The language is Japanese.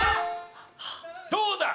どうだ？